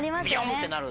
ってなる。